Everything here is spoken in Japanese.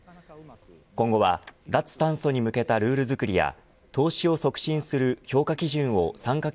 今後は脱炭素に向けたルール作りや投資を促進する評価基準を参加